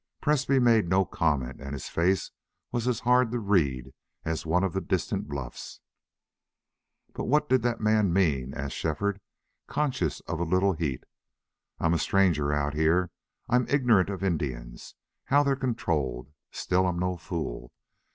Presbrey made no comment and his face was as hard to read as one of the distant bluffs. "But what did the man mean?" asked Shefford, conscious of a little heat. "I'm a stranger out here. I'm ignorant of Indians how they're controlled. Still I'm no fool....